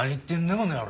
この野郎。